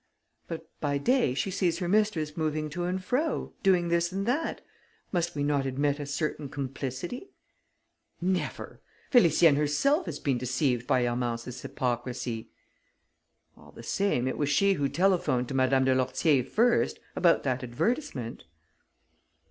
"But by day she sees her mistress moving to and fro, doing this and that. Must we not admit a certain complicity?" "Never! Félicienne herself has been deceived by Hermance's hypocrisy." "All the same, it was she who telephoned to Madame de Lourtier first, about that advertisement...."